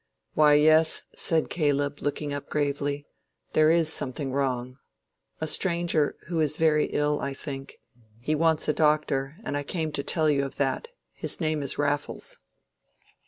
"Why, yes," said Caleb, looking up gravely, "there is something wrong—a stranger, who is very ill, I think. He wants a doctor, and I came to tell you of that. His name is Raffles."